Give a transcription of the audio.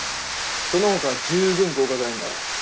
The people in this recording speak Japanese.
その他は十分合格ラインだから。